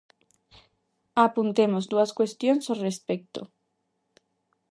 Apuntemos dúas cuestións ao respecto.